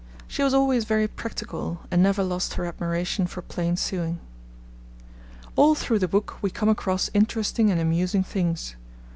She was always very practical, and never lost her admiration for plain sewing. All through the book we come across interesting and amusing things.